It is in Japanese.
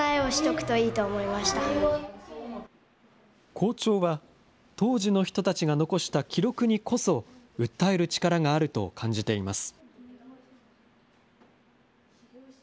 校長は、当時の人たちが残した記録にこそ、訴える力があると感じています。